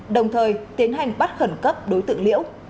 đồng thời tiến hành bắt khẩn cấp đối tượng liễu